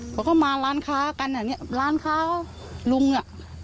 พวกเขามาร้านค้ากันร้านค้าลุงเนี่ย